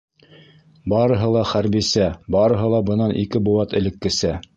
Барыһы ла хәрбисә, барыһы ла бынан ике быуат элеккесә.